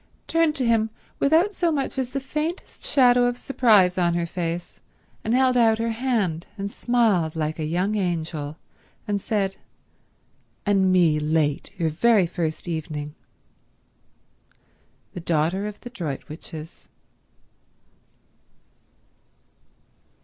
turned to him without so much as the faintest shadow of surprise on her face, and held out her hand, and smiled like a young angel, and said, "and me late your very first evening." The daughter of the Droitwiches.